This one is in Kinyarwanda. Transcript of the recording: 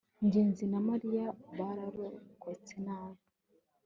ngenzi na mariya bararokotse nabi